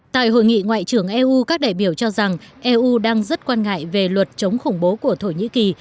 tại hội nghị ngoại trưởng eu các đại biểu cho rằng eu đang rất quan ngại về luật chống khủng bố của thổ nhĩ kỳ